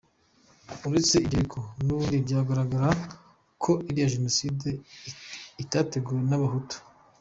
Uretse ibyo ariko, n’ubundi byaragaragaraga ko iriya genocide itateguwe n’abahutu.